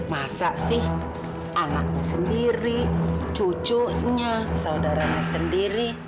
masa sih anaknya sendiri cucunya saudaranya sendiri